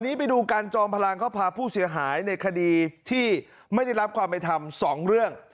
ตอนนี้ไปดูการจอมพลังเขาพาผู้เสียหายในคดีที่ไม่ได้รับความไปทำ๒เรื่อง